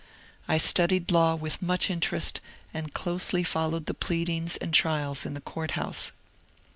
I studied law with much interest, and closely followed the pleadings and trials in the court house.